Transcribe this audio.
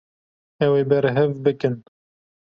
Ew ê berhev bikin.